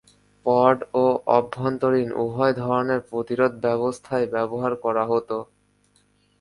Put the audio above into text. পড ও অভ্যন্তরীণ উভয় ধরনের প্রতিরোধ ব্যবস্থাই ব্যবহার করা হতো।